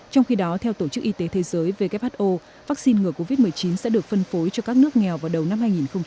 trong khi đó theo tổ chức y tế thế giới who vaccine ngừa covid một mươi chín sẽ được phân phối cho các nước nghèo vào đầu năm hai nghìn hai mươi